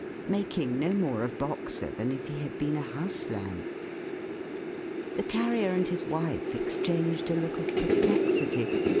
Making no more of Boxer than if he had been a house lamb! The Carrier and his wife exchanged a look of perplexity.